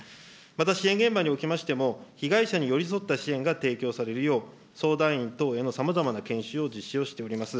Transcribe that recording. また支援現場におきましても、被害者に寄り添った支援が提供されるよう、相談員等へのさまざまな研修を実施をしております。